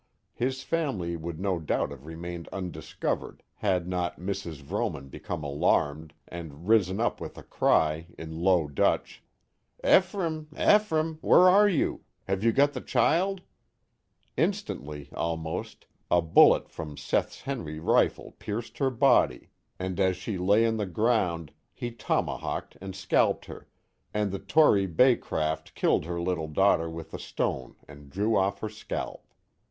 His family would no doubt have remained un discovered, had not Mrs. Vrooman become alarmed, and risen up with a cry, in low Dutch, " Ephraim, Ephraim. where are you ? Have you got the child ?" Instantly, almost, a bullet from Seth's Henry's rifle pierced her body, and as she In the Old Town of Amsterdam 1 79 Jay on the ground he tomahawked and scalped her, and the tory Beacraft killed her little daughter with a stone and drew off her scalp.